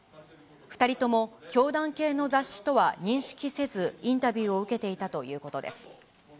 ２人とも教団系の雑誌とは認識せず、インタビューを受けていたということです。